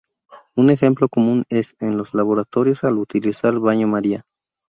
Un ejemplo común es, en los laboratorios, al utilizar baño María.